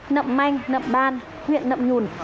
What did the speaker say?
nậm manh nậm ban huyện nậm nhùn